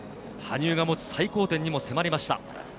羽生が持つ最高点にも迫りました。